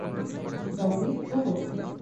মামুনি, খোলো।